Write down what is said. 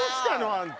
あんた。